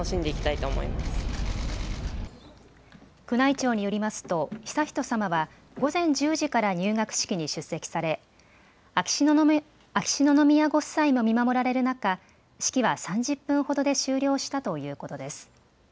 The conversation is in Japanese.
宮内庁によりますと悠仁さまは午前１０時から入学式に出席され秋篠宮ご夫妻も見守られる中、式は３０分ほどで終了したということです。